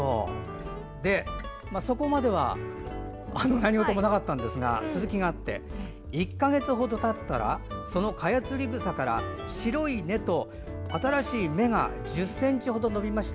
そこまでは何事もなかったんですが続きがあって１か月程たったらカヤツリグサから白い根と新芽が１０ｃｍ程伸びました。